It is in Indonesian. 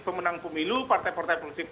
pemenang pemilu partai partai politik